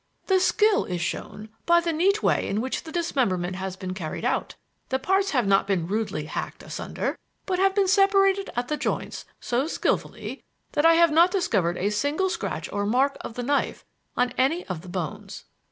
"The skill is shown by the neat way in which the dismemberment has been carried out. The parts have not been rudely hacked asunder, but have been separated at the joints so skilfully that I have not discovered a single scratch or mark of the knife on any of the bones."